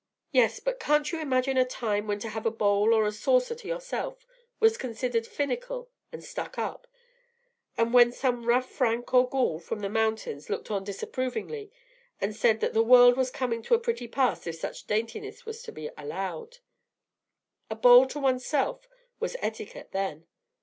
"Yes, but can't you imagine a time when to have a bowl or a saucer to yourself was considered finical and 'stuck up,' and when some rough Frank or Gaul from the mountains looked on disapprovingly, and said that the world was coming to a pretty pass if such daintiness was to be allowed? A bowl to one's self was etiquette then.